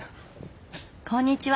こんにちは。